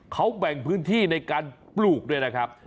เขาแบ่งพื้นที่ในการปลูกด้วยนะครับ